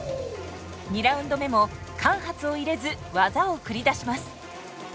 ２ラウンド目も間髪を入れず技を繰り出します。